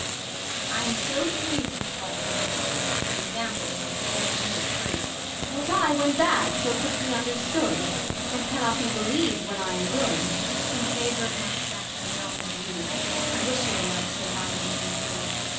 I am so pleas'd Avith Claudio's liberty. That the example shall preserve me free. Ang. Was I, when bad so quickly understood ; And cannot be believed when I am good. IsAB. In favour of my sex, and not of you, I wish your love so violent and true.